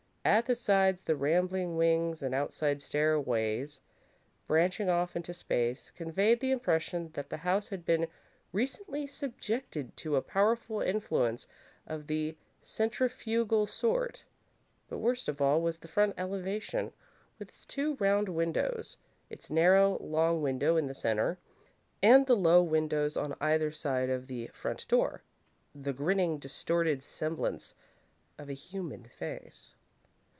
At the sides, the rambling wings and outside stairways, branching off into space, conveyed the impression that the house had been recently subjected to a powerful influence of the centrifugal sort. But worst of all was the front elevation, with its two round windows, its narrow, long window in the centre, and the low windows on either side of the front door the grinning, distorted semblance of a human face.